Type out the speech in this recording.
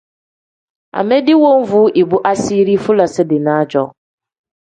Amedi woovu ibu asiiri fulasi-dinaa-jo.